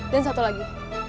dan satu lagi